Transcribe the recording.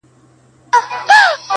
• د نېستۍ قصور یې دی دغه سړی چي,